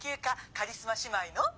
カリスマ姉妹の。